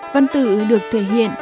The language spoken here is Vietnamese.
văn tự được thể hiện